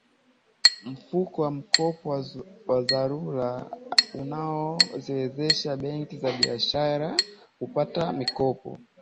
mfuko wa mkopo wa dharura unaziwezesha benki za biashara kupata mikopo